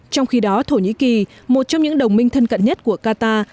trong khi đó thổ nhĩ kỳ một trong những đồng minh thân cận nhất của qatar